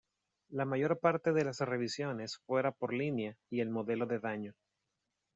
La mayor parte de las revisiones fuera por línea y el modelo de daño.